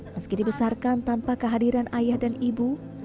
meski dibesarkan tanpa kehadiran ayah dan ibu